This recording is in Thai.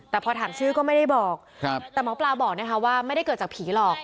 แต่พอถามชื่อก็ไม่ได้บอกแต่หมอปลาบอกนะคะว่าไม่ได้เกิดจากผีหรอก